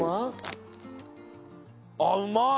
あっうまい！